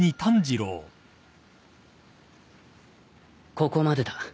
ここまでだ。